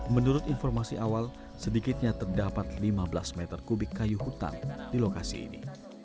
menurut informasi awal sedikitnya terdapat lima belas meter kubik kayu hutan di lokasi ini